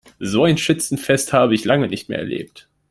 So ein Schützenfest habe ich lange nicht mehr erlebt.